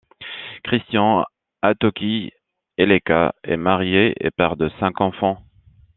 Christian Atoki Ileka est marié et père de cinq enfants.